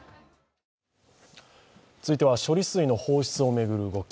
続いては、処理水の放出を巡る動き。